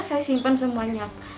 saya simpan semuanya